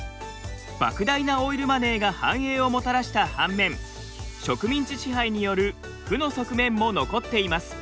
莫大なオイルマネーが繁栄をもたらした反面植民地支配による負の側面も残っています。